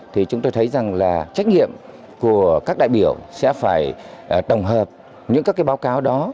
thì chúng tôi thấy rằng là trách nhiệm của các đại biểu sẽ phải tổng hợp những các cái báo cáo đó